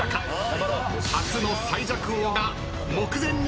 初の最弱王が目前に迫ります。